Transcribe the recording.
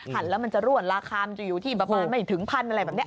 หันแล้วมันจะร่วนราคามันจะอยู่ที่ประมาณไม่ถึงพันอะไรแบบนี้